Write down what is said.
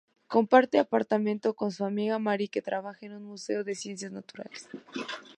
Comparte apartamento con su amiga Mary, que trabaja en un museo de ciencias naturales.